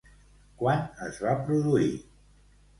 Quan es va produir?